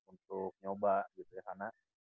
untuk nyoba gitu ya karena